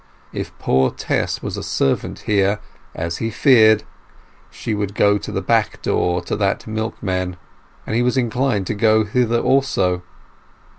If poor Tess was a servant here, as he feared, she would go to the back door to that milkman, and he was inclined to go thither also.